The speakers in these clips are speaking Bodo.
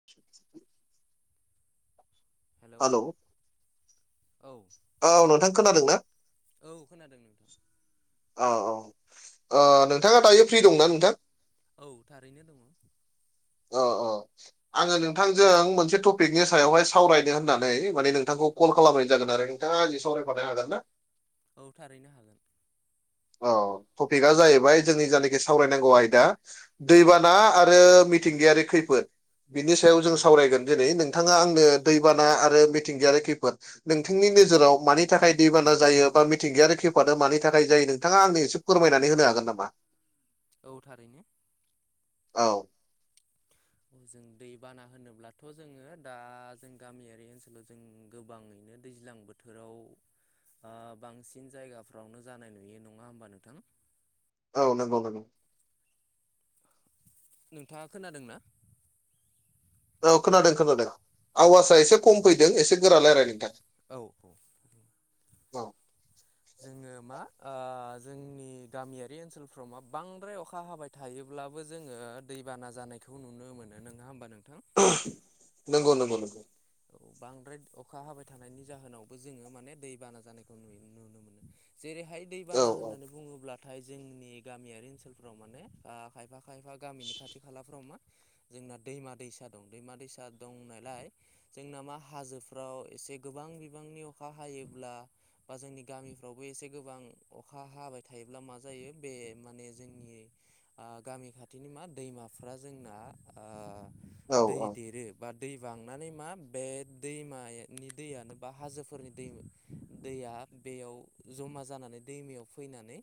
[inaudible] हेल' औ औ नोंथां खोनादों ना औ खोनादों नोंथां औ औ ओ नोंथाङा दायो फ्रि दंना नोंथां औ थारैनो दङ' अ अ आङो नोंथांजों मोनसे टपिकनि सायावहाय सावरायदों होननानै माने नोंथांखौ कल खालामनाय जागोन आरो नोंथाङा आंजों सावरायफानो हागोन ना? औ थारैनो हागोन औ टपिकआ जाहैबाय जोंनि जायनाखि सावरायनांगौ आयदा दैबाना आरो मिथिंगायारि खैफोद बिनि सायाव जों सावरायगोन दिनै नों नोंथाङा आंनो दैबाना आरो मिथिंगायारि खैफोद नोंथांनि नोजोराव मानि थाखाय दैबाना जायो बा मिथिंगायारि खैफादा मानि थाखाय जायो नोंथ नोंथाङा आंनो एसे फोरमायनानै होनो हागोन नामा औ थारैनो औ औ जों दै बाना होनोब्लाथ' जोङो दा जों गामियारि ओनसोलाव जों गोबाङैनो दैज्लां बोथोराव बांसिन जायगाफ्रावनो जानाय नुयो नङा होमबा नोंथां औ नंगौ नंगौ नोंथाङा खोनादोंना औ खोनादों खोनादों आवासआ एसे खम फैदों एसे गोरा रायज्लायनायनि थाखाय औ औ जोङो मा जोंनि गामियारि ओनसोलफ्राव मा बांद्राय अखा हाबाय थ थायोब्लाबो जोङो दैबाना जानायखौ नुनो मोनो नङा होमबा नोंथां नंगौ नंगौ नंगौ औ बांद्राय अखा हाबाय थानायनि जाहोनावबो जोङो माने दै बाना जानायखौ नु नुनो मोनो जेरैहाय दैबाना होननानै बुङोब्लाथाय जोंनि गामियारि ओनसोलफोराव माने खायफा खायफा गामिनि खाथि खालाफ्राव मा जोंना दैमा दैसा दं दैमा दैसा दंनायलाय जोंना मा हाजोफ्राव एसे गोबां बिबांनि अखा हायोब्ला बा जोंनि गामिफ्रावबो एसे गोबां अखा हाबाय थायोब्ला मा जायो बे माने जोंनि गामि खाथिनि मा दैमाफ्रा जोंना दै देरो बा दै बांनानै मा बे दैमानि दैयानो बा हाजोफोरनि दै दैया बेयाव जमा जानानै दैमायाव फैनानै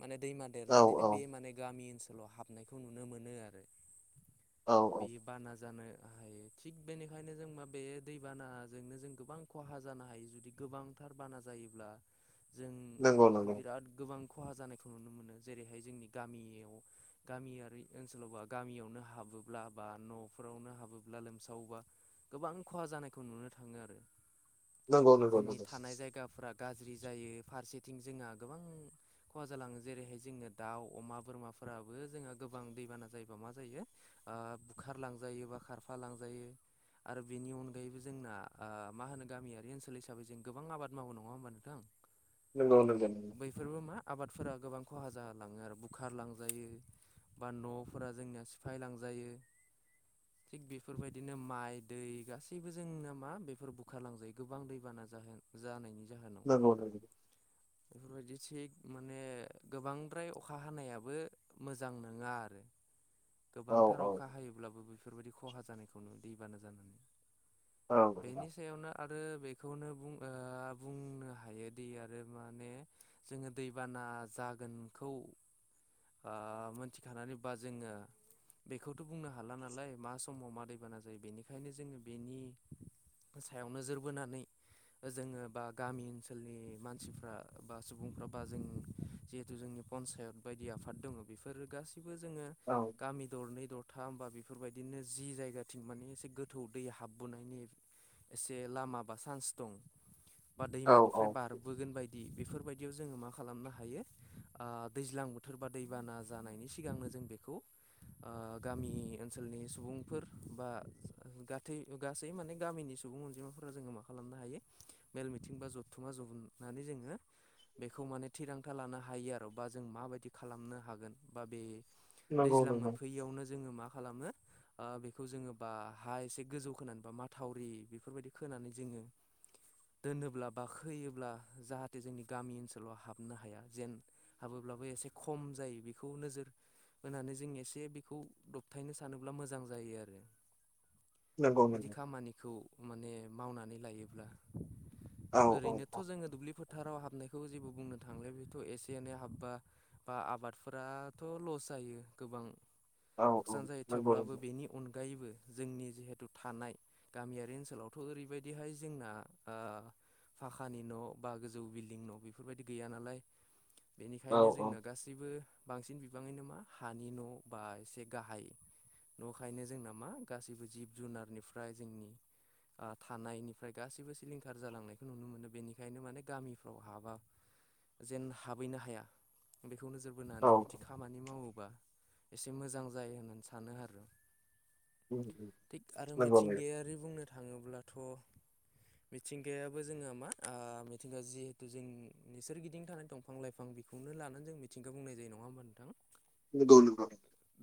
माने दैमा देरनानैनो बे माने गामि ओनसोलाव हाबनायखौ नुनो मोनो आरो बे बाना जानो हायो थिग बेनिखायनो जों मा बे दैबानाजोंनो जों गोबां खहा जानो हायो जुदि गोबांथार बाना जायोब्ला जों बिराद गोबां खहा जानायखौ नुनो मोनो जेरैहाय जोंनि गामियाव गामियारि ओनसोलावबा गामियावनो हाबोब्ला बा न'फोरावनो हाबोब्ला लोमसावोबा गोबां खहा जानायखौ नुनो थाङो आरो जोंनि थानाय जायगाफ्रा गाज्रि जायो फारसेथिं जोंहा गोबां खहा जालाङो जेरैहाय जोंनो दाउ अमा बोरमाफोराबो जोंहा गोबां दैबाना जायोबा मा जायो ओ बुखार लांजायो बा खारफा लांजायो। आरो बेनि अनगायैबो जोंना ओ मा होनो गामियारि ओनसोल हिसाबै जों गोबां आबाद मावो नङा होमबा नोंथां? नोंगौ नोंगौ। बेफोरबो मा आबादफोरा गोबां खहा जालाङो आरो बुखार लांजायो बा न'फोरा जोंनिया सिफाय लांजायो थिग बेफोरबायदिनो माइ दै गासैबो जोंनो मा बेफोर बुखारलांजायो गोबां दै बाना जाहोन जानायनि जाहोनाव बेफोरबायदि थिग माने गोबांद्राय अखा हानायाबो मोजां नङा आरो [inaudible] गोबांथार अखा हायोब्लाबो बेफोरबायदि खहा जानायखौ नु दैबाना जानानै बेनि सायावनो आरो बेखौनो बुं बुंनो हायोदि आरो माने जोङो दैबाना जागोनखौ मोनथिखानानैबा जोङो बेखौथ' बुंनो हाला नालाय मा समाव मा दैबाना जायो बेनिखायनो जोङो बेनि ओ सायाव नोजोर बोनानै ओ जोङो बा गामि ओनसोलनि मानसिफ्रा बा सुबुंफ्रा बा जों जिहेथु जोंनि पन्सायत बायदि आफाद दङ बेफोरो गासिबो जोङो औ गामि दरनै दरथाम होमबा बेफोरबायदिनो जि जायगाथिं माने एसे गोथौ दै हाबबोनायनि एसे लामा बा चान्स दं। बा दैमानिफ्राय बारबोगोन बायदि बेफोरबायदियाव जोङो मा खालामनो हायो ओ दैज्लां बोथ थोरबा दैबाना जानायनि सिगांनो जों बेखौ ओ गामि ओनसोलनि सुबुंफोर बा ओ गाथै ओ गासै माने गामिनि सुबुं अनजिमाफोरा जोङो मा खालामनो हायो मेल मिथिं बा जथुमा जहन नानै जोङो बेखौ माने थिरांथा लानो हायो आरो बा जों मा बायदि खालामनो हागोन बा बे दैज्लां मोनफैयियावनो जोङो मा खालामो ओ बेखौ जोङो बा हा एसे गोजौ खोनानै बा माथावरि बेफोरबायदि खोनानै जोङो [inaudible] दोनोब्ला बा खोयोब्ला जाहाथे जोंनि गामि ओनसोलाव हाबनो हाया जेन हाबोब्लाबो एसे खम जायो बेखौ नोजोर होनानै जों एसे बेखौ दबथायनो सानोब्ला मोजां जायो आरो बिदि खामानिखौ माने मावनानै लायोब्ला ओरैनोथ' जोङो दुब्लिफोर थाराव हाबनायखौ जेबो बुंनो थांला बेथ' एसे एनै हाबबा बा आबादफोराथ' लस जायो गोबां लकसान जायो थेवब्लाबो बेनि अनगायैबो जोंनि जिहेथु थानाय गामियारि ओनसोलावथ' ओरैबायदिहाय जोंना ओ फाखानि न' बा गोजौ बिल्डिं न' बेफोरबायदि गैया नालाय बेनिखायनो जोंना गासैबो बांसिन बिबाङैनो मा हानि न' बा एसे गाहाय नखायनो जोंना मा गासैबो जिब जुनारनिफ्राय जोंनि ओ थानायनिफ्राय गासैबो सिलिंखार जालांनायखौ नुनो मोनो बेनिखायनो माने गामिफ्राव हाबा जेन हाबहैनो हाया बेखौ नोजोर बोनानै बिदि खामानि मावोबा एसे मोजां जायो होननानै सानो आरो थिग आरो मिथिंगायारि बुंनो थाङोब्लाथ' मिथिंगायाबो जोङो मा ओ मिथिंगाया जिहेथु जोंनि सोरगिदिं थानाय दंफ फां लाइफां बेखौनो लानानै जों मिथिंगा बुंनाय जायो नङा होमबा नोंथां? नंगौ नंगौ।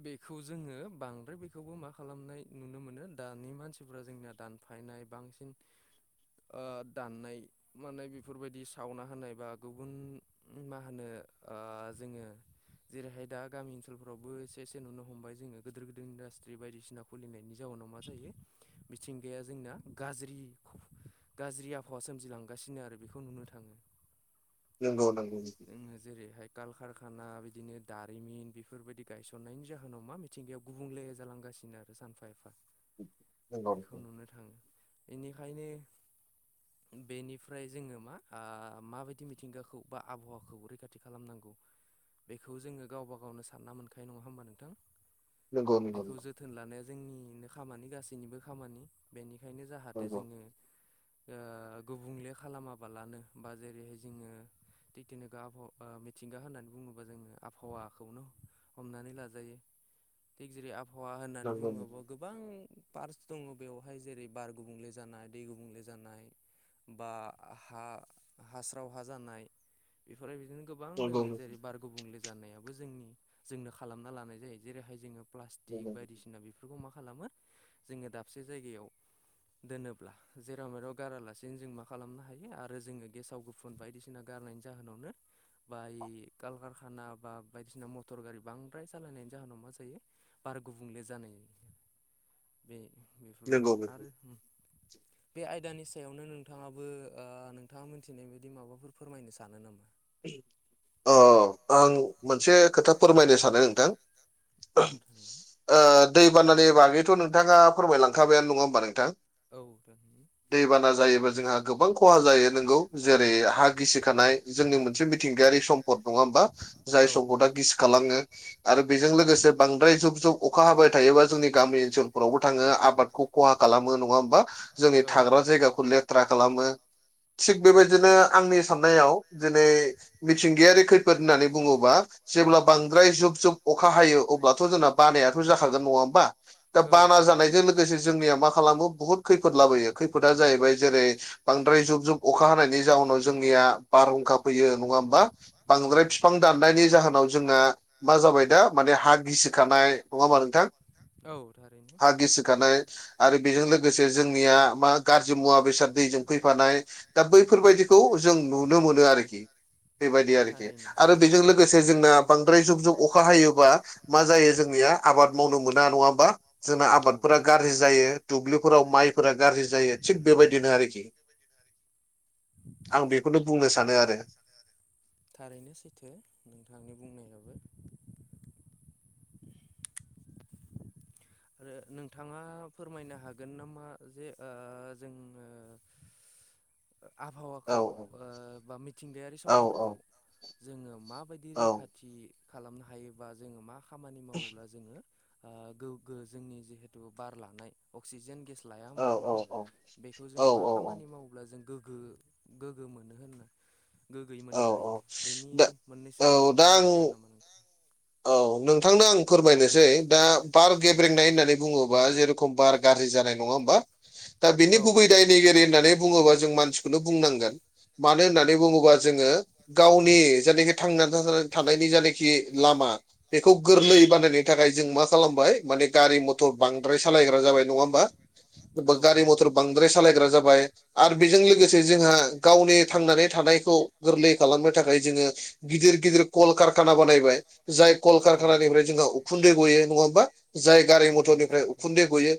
बेखौ जोङो बांद्राय बेखौबो मा खालामनाय नुनो मोनो दानि मानसिफोरा जोंनिया दान फायनाय बांसिन ओ-दाननाय माने बेफोरबायदि सावना होनाय बा गुबुन मा होनो ओ-जोङो जेरैहाय दा गामि ओनसोलफोरावबो एसे एसे नुनो हमबाय जोङो गिदिर गिदिर इन्डासट्रि बायदिसिनाखौ खुलिनायनि जाउनाव मा जायो मिथिंगाया जोंना गाज्रि गाज्रि आबहावा सोमजिलांगासिनो आरो बेखौ नुनो थाङो। [inaudible] ओ जोङो जेरै हाय काल कारखाना बिदिनो दारिमिन बेफोरबायदि गायसननायनि जाहोनाव मा मिथिंगायाव गुबुंले जालांगासिनो आरो सानफा एफा बेखौ नुनो थां इनिखायनो बेनिफ्राय जोङो मा ओ माबायदि मिथिंगाखौ बा आबहावाखौ रैखाथि खालामनांगौ बेखौ जोङो गावबा गावनो सानना मोनखायो नङा होमबा नोंथां? बेखौ जोथोन लानाया जोंनिनो खामानि गासैनिबो खामानि बेनिखायनो जाहाथे जोङो ओ-गुबुंले खालामाबालानो बा जेरैहाय जोङो थेकनिग आबहावा ओ-मिथिंगा होननानै बुङोबा जोङो आबहावाखौनो हमनानै लाजायो। थिक जेरै आबहावा होननानै बुङोब्ला गो- बां पार्स्ट दङ बेवहाय जेरै बार गुबुंले जानाय दै गुबुंले जानाय। बा हा हास्राव हा जानाय बेफोरो बिदिनो गोबां दङ जेरै बार गुबुंले जानायाबो जोंनि जोंनो खालामना लानाय जायो जेरैहाय जोङो प्लास्ट- प्लासटिक बायदिसिना बेफोरखौ मा खालामो जोङो दाबसे जायगायाव दोनोब्ला जेराव मेराव गारालासिनो जों मा खालामनो हायो आरो जोङो गेसाव गो फोन बायदिसिना गारनायनि जाहोनावनो बाय कलकारखाना बा बायदिसिना मथर गारि बांद्राय सालायनायनि जाहोनाव मा जायो? बार गुबुंले जानाय बे बेफोरबायदिनो आरो बे आयदानि सायावनो नोंथाङाबो ओ-नोंथाङा मिथिनाय बायदि माबाफोर फोरमायनो सानो नामा? अ आं मोनसे खोथा फोरमायनो सानो नोंथां। औ नोंथां। ओ-दै बानानि बागैथ' नोंथाङा फोरमायलांखाबायानो नङा होमबा नोंथां? औ नोंथां। दैबाना जायोबा जोंहा गोबां खहा जायो नंगौ जेरै हा गिसिखानाय। जोंनि मोनसे मिथिंगायारि सम्पद नङा होमबा जाय सम्पदा गिसिखालाङो। आरो बेजों लोगोसे बांद्राय जुब जुब अखा हाबाय थायोबा जोंनि गामि ओनसोलफोरावबो थाङो आबादखौ खहा खालामो नङा होमबा जोंनि थाग्रा जायगाखौ लेथ्रा खालामो थिग बेबायदिनो आंनि साननायाव बे मिथिंगायारि खैफोद होननानै बुङोबा जेब्ला बांद्राय जुब जुब अखा हायो अब्लाथ' जोंना बानायाथ' जाखागोन नङा होमबा? दा बाना जानायजों लोगोसे जोंनिया मा खालामो बुहुद खैफोद लाबोयो खैफोदा जाहैबाय जेरै बांद्राय जुब जुब अखा हानायनि जाहोनाव जोंनिया बारहुंखा फैयो नङा होमबा बांद्राय बिफां दाननायनि जाहोनाव जोंना मा जाबाय दा माने हा गिसिखानाय नङा होमबा नोंथां? हा गिसिखानाय आरो बेजों लोगोसे जोंनिया मा गाज्रि मुवा बेसाद दैजों फैफानाय दा बैफोरबायाददिखौ जों नुनो मोनो आरोखि बेबायदि आरोखि। आरो बेजों लोगोसे जोंना बांद्राय जुब जुब अखा हायोबा मा जायो जोंनिया आबाद मावनो मोना नङा होमबा जोंना आबादफोरा गाज्रि जायो। दुब्लिफोराव माइफोरा गाज्रि जायो थिग बेबायदिनो आरोखि आं बेखौ बुंनो सानो आरो थारैनो सैथो नोंथांनि बुंनायाबो आरो नोंथाङा फोरमायनो हागोन नामा जे जोङो [inaudible] आबहावाखौ ओ बा मिथिंगायारि सम्पदखौ जोङो माबायदि रैखाथि। थि खालामनो हायोबा जोङो मा खामानि मावोब्ला जोङो ओ। गो जोंनि जिहेतु बार लानाय। अक्सिजेन गेस लाया होमबा जोङो बेखौ जों मा खामानि मावोब्ला जों गोग्गो। गोग्गो मोनो होननो। गोग्गोयै मोननो हायो बेनि मोननैसो जाहोन बुंनो हागोन नामा नों? औ नोंथांनो आं फोरमायनोसै दा बार गेब्रेंनाय होननानै बुङोबा जेरेखम बार गारज्रि जानाय नंआ होमबा दा बेनि गुबै दाय एगेरे होननानै बुङोबा जों मानसिखौनो बुंनांगोन मानो होननानैु बुंङोबा। जोङो गावनि जायनाखि थांनानै थानायनि जायनायखि लामा। बेखौ गोरलै बानायनो थाखाय जों मा खालामबाय माने गारि मथर बांद्राय सालायग्रा जाबाय। नङा होमबा बा गारि मथर बांद्राय सालायग्रा जाबाय। आरो बेजों लोगोसे जोंहा गावनि थांनानै थानायखौ गोरलै खालामनो थाखाय जोङो। गिदिर गिदिर। कल कारखाना बानायबाय जाय कल कारखानानिफ्राय जोंहा उखुन्दै गयो नङा होमबा। जाय गारि मथरनिफ्राय उखुन्दै गयो।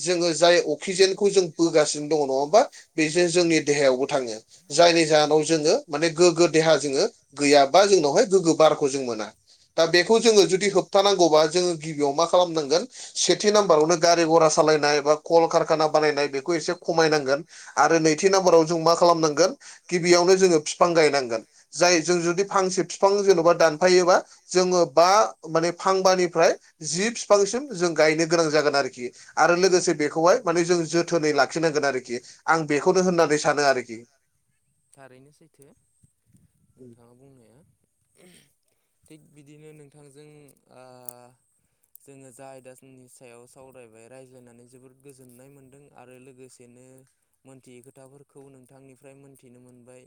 जोङो जाय अक्सिजेनखौ जों बोगासिनो दङ नङा होमबा बेजों जोंनि देहायावबो थाङो। जायनि जाहोनाव जोङो माने गोग्गो देहा जोङो। गैयाबा जोंनावहाय गोग्गो बारखौ जों मोना। दा बेखौ जोङो जुदि होबथानांगौबा जोङो गिबियाव मा खालामनांगोन। सेथि नाम्बारावनो गारि घरा सालायनाय बा कल कारखाना बानायनाय बेखौ एसे खमायनांगोन। आरो नैथि नाम्बाराव जों मा खालामनांगोन गिबियावनो जोङो फिफां गायनांगोन जाय। जुदि फांसे बिफां जेन'बा दानफायोबा जोङो बा माने फांबानिफ्राय। जि बिफांसिम जों गायनो गोनां जागोन आरोखि आरो लोगोसे बेखौहाय माने। जों जोथोनै लाखिनांगोन आरोखि आं बेखौनो होननानै सानो आरोखि। थारैनो सैथो नोंथाङा बुंनाया। थिग बिदिनो नोंथांजों आ। जोङो जा आयदाजनि सायाव सावरायबाय रायज्लायनानै जोबोद गोजोननाय मोनदों आरो लोगोसे। बिदिनो मोनथियै खोथाफोरखौ नोंथांनिफ्राय मोनथिनो मोनबाय।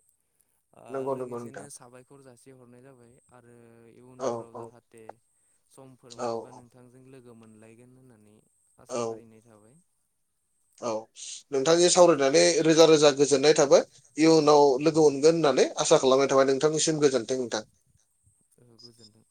आ लोगोसे। समफोर मोनोबा नोंथांजों लोगो मोनलायगोन होननानै आसा फारिनाय थाबाय। औ नोंथांनि सावरायनानै रोजा रोजा गोजोननाय थाबाय इयुनाव लो। अनगोन होननानै आसा खालामनाय थाबाय नोंथांनिसिम गोजोन्थों नोंथां। ओहो गोजोनदों।